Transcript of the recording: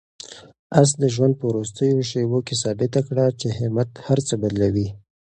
آس د ژوند په وروستیو شېبو کې ثابته کړه چې همت هر څه بدلوي.